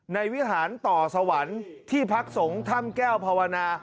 วิหารต่อสวรรค์ที่พักสงฆ์ถ้ำแก้วภาวนา